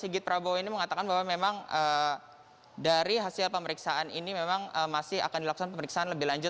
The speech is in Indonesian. sigit prabowo ini mengatakan bahwa memang dari hasil pemeriksaan ini memang masih akan dilakukan pemeriksaan lebih lanjut